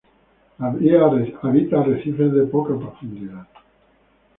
Habita arrecifes de poca profundidad.